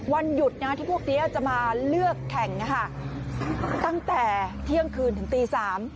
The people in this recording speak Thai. วันหยุดนะที่พวกนี้จะมาเลือกแข่งตั้งแต่เที่ยงคืนถึงตีสาม